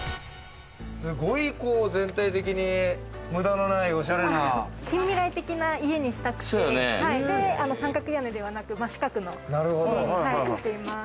すごい、こう全体的に無駄の近未来的な家にしたくて、三角屋根ではなく真四角の家にしています。